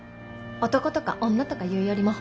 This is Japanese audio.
男とか女とか言うよりも。